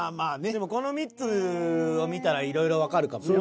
でもこの３つを見たらいろいろわかるかもよ。